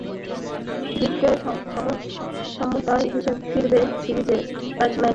জিতলে সমতা ফিরবে সিরিজে, পঞ্চম ম্যাচটা তখন হয়ে যাবে অঘোষিত ফাইনাল।